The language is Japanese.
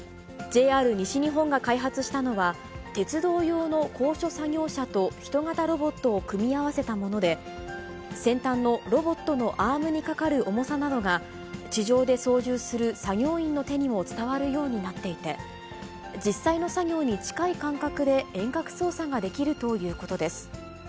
ＪＲ西日本が開発したのは、鉄道用の高所作業車と人型ロボットを組み合わせたもので、先端のロボットのアームにかかる重さなどが、地上で操縦する作業員の手にも伝わるようになっていて、実際の作業に近い感覚で遠隔操作ができるということです。